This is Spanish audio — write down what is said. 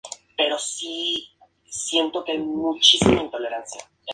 La competición contó con ocho equipos de seis estados.